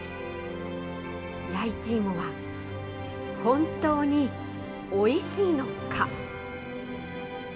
弥一芋は本当においしいのか。